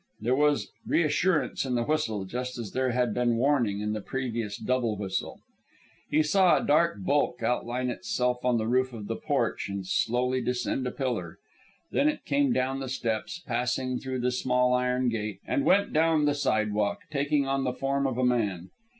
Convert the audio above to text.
There was reassurance in the whistle, just as there had been warning in the previous double whistle. He saw a dark bulk outline itself on the roof of the porch and slowly descend a pillar. Then it came down the steps, passed through the small iron gate, and went down the sidewalk, taking on the form of a man.